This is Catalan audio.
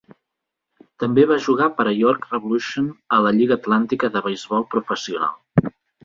També va jugar per a York Revolution a la Lliga atlàntica de beisbol professional.